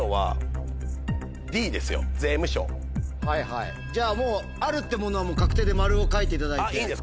はいはいじゃあもうあるってものは確定で「○」を書いていただいて。